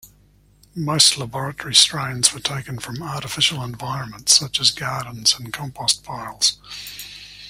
Most laboratory strains were taken from artificial environments such as gardens and compost piles.